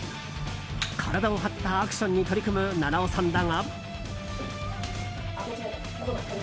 体を張ったアクションに取り組む菜々緒さんだが。